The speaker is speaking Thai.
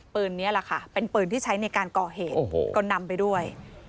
ปืนนี้แหละค่ะเป็นปืนที่ใช้ในการก่อเหตุก็นำไปด้วย